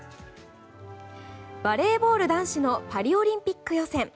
バレーボール男子のパリオリンピック予選。